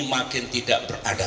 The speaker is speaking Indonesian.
makin tidak beradab